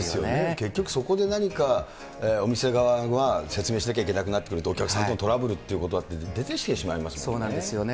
結局そこで何かお店側は説明しなきゃいけなくなってくると、お客さんとトラブルということだそうですよね。